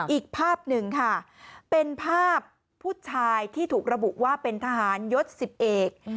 อีกภาพหนึ่งค่ะเป็นภาพผู้ชายที่ถูกระบุว่าเป็นทหารยศ๑๐เอก